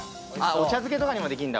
お茶漬けとかにもできんだ